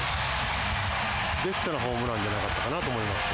ベストなホームランじゃなかったかなと思います。